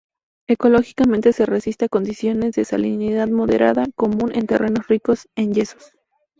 Ecológicamente es resistente a condiciones de salinidad moderada; común en terrenos ricos en yesos.